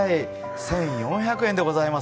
１４００円でございます。